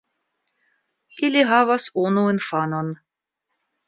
Ili havas unu infanon.